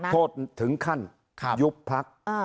โทษถึงขั้นยุบพัก